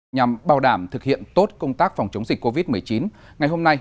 nhằm bảo đảm thực hiện tốt công tác phòng chống dịch covid một mươi chín ngày hôm nay